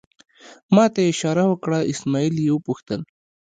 ما ته یې اشاره وکړه، اسمعیل یې وپوښتل.